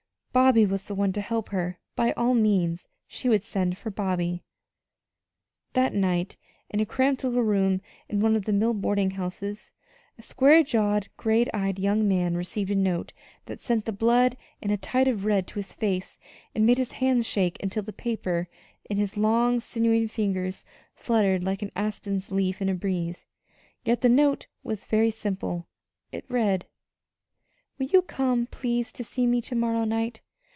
Bobby was the one to help her. By all means, she would send for Bobby! That night, in a cramped little room in one of the mill boarding houses, a square jawed, gray eyed young man received a note that sent the blood in a tide of red to his face, and made his hands shake until the paper in his long, sinewy fingers fluttered like an aspen leaf in a breeze. Yet the note was very simple. It read: "Will you come, please, to see me to morrow night?